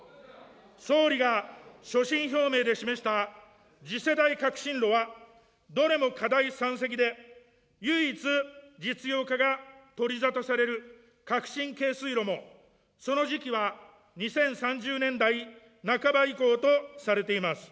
総理が所信表明で示した次世代革新炉は、どれも課題山積で唯一、実用化が取り沙汰される革新軽水炉もその時期は２０３０年台半ば以降とされています。